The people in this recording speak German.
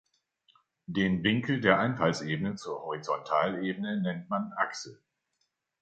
Den Winkel der Einfallsebene zur Horizontalebene nennt man "Achse".